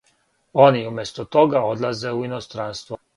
Они уместо тога одлазе у иностранство.